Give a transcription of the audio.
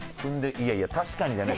いやいや「確かに」じゃない。